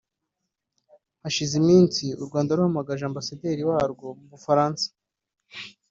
Hashize iminsi u Rwanda ruhamagaje Ambasaderi warwo mu Bufaransa